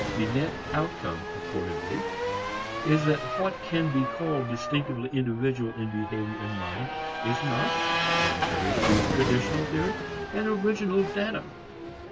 The net outcome accordingly is that what can be called distinctively individual in behavior and mind is not, contrary to traditional theory, an original datum.